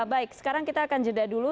baik sekarang kita akan jeda dulu